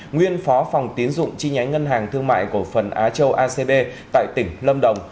nguyên phó phòng tiến dụng chi nhánh ngân hàng thương mại cổ phần á châu acb tại tỉnh lâm đồng